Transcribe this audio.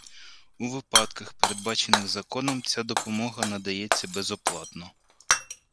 У випадках, передбачених законом, ця допомога надається безоплатно